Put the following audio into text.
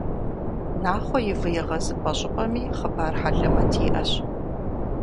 «Нахъуэ и вы егъэзыпӏэ» щӏыпӏэми хъыбар хьэлэмэт иӏэщ.